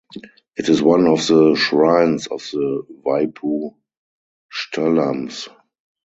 It is one of the shrines of the Vaippu Sthalams.